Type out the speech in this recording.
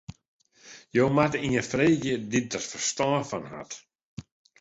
Jo moatte ien freegje dy't dêr ferstân fan hat.